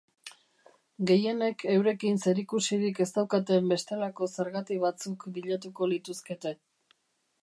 Gehienek eurekin zerikusirik ez daukaten bestelako zergati batzuk bilatuko lituzkete.